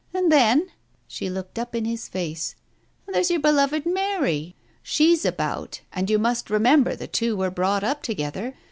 And then "— she looked up in his face — "there's your beloved Mary! She's about, and you must remember the two were brought up together.